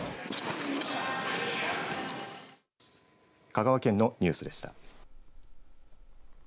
香川県のニュースでした。